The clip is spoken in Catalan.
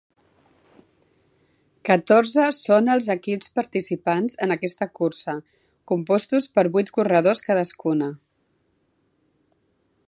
Catorze són els equips participants en aquesta cursa, compostos per vuit corredors cadascuna.